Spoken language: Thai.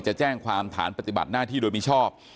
จะแจ้งความฐานปฏิบัติหน้าที่โดยมิชอบ